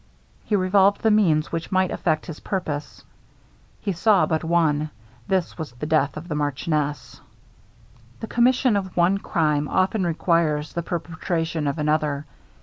He revolved the means which might effect his purpose he saw but one this was the death of the marchioness. The commission of one crime often requires the perpetration of another.